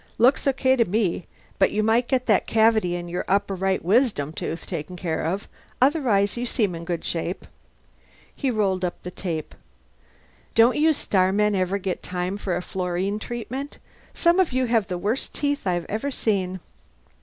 "Looks okay to me. But you might get that cavity in your upper right wisdom tooth taken care of. Otherwise you seem in good shape." He rolled up the tape. "Don't you starmen ever get time for a fluorine treatment? Some of you have the worst teeth I've ever seen."